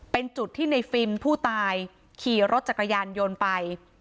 เป็นจุดที่ในฟิล์มผู้ตายขี่รถจักรยานยนต์ไป